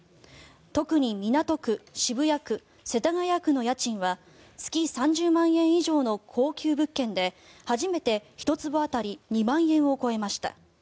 特に港区、渋谷区、世田谷区の家賃は月３０万円以上の高級物件で初めて１坪当たり２万円を超えました。